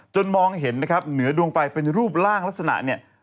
มองเห็นนะครับเหนือดวงไฟเป็นรูปร่างลักษณะเนี่ย